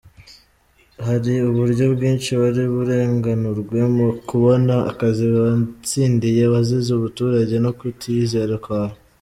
Hari uburyo bwinshi wari burenganurwe mo ukabona akazi watsindiye wazize ubuturage no kutiyizera kwawe !!!!.